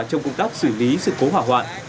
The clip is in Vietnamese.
trong công tác xử lý sự cố hỏa hoạn